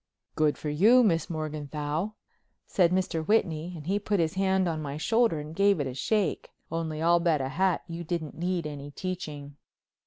"Good for you, Miss Morganthau," said Mr. Whitney, and he put his hand on my shoulder and gave it a shake. "Only I'll bet a hat you didn't need any teaching."